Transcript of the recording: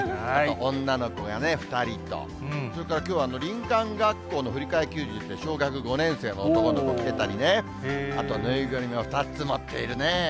女の子が２人と、それからきょうは、林間学校の振り替え休日で、小学５年生の男の子、来てたりね、あと縫いぐるみを２つ持っているね。